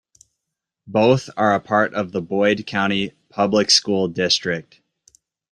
Both are a part of the Boyd County Public School District.